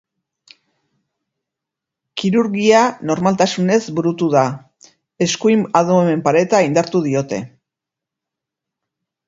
Kirurgia normaltasunez burutu da, eskuin abdomen-pareta indartu diote.